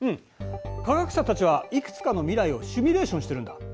科学者たちはいくつかの未来をシミュレーションしているんだ。